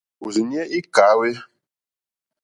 Òrzìɲɛ́ î kàhwé.